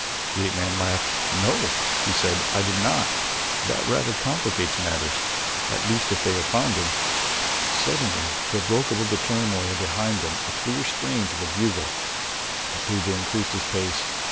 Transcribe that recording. The ape man laughed. "No," he said, "I did not. That rather complicates matters at least if they have found him." Suddenly there broke above the turmoil behind them the clear strains of a bugle. Otobu increased his pace.